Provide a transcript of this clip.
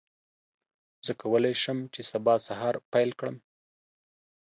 زه کولی شم چې سبا سهار پیل کړم.